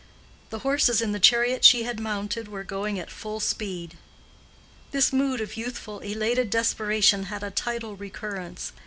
The horses in the chariot she had mounted were going at full speed. This mood of youthful, elated desperation had a tidal recurrence.